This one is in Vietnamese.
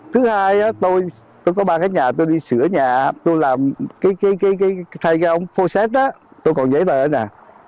thứ hai tôi có ba cái nhà tôi đi sửa nhà tôi làm cái thay cái ông phô xét đó tôi còn giấy lại đây nè